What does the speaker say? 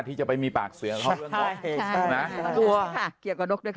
ที่จะไปมีปากเสียใช่ใช่นะตัวใช่ค่ะเกี่ยวกับนกด้วยค่ะ